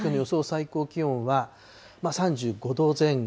最高気温は３５度前後。